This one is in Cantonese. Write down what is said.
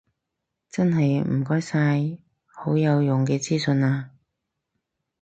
真係唔該晒，好有用嘅資訊啊